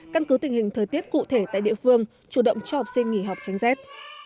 căn cứ tình hình thời tiết cụ thể tại địa phương chủ động cho học sinh nghỉ học tránh rét